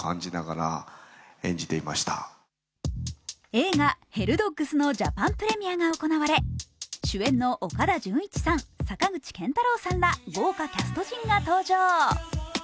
映画「ヘルドッグス」のジャパンプレミアが行われ、主演の岡田准一さん坂口健太郎さんら豪華キャスト陣が登場。